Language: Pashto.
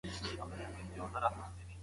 څېړونکی له تاریخي شعور پرته نه سي پاته کېدای.